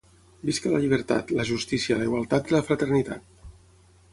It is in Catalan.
Visca la llibertat, la justícia, la igualtat i la fraternitat.